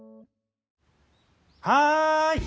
はい！